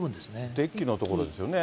デッキの所ですよね。